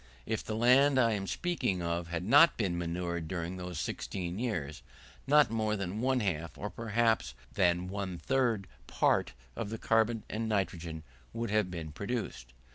If the land I am speaking of had not been manured during those 16 years, not more than one half, or perhaps than one third part of the carbon and nitrogen would have been produced.